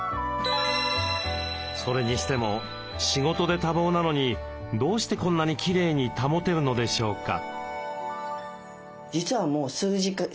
それにしても仕事で多忙なのにどうしてこんなにきれいに保てるのでしょうか？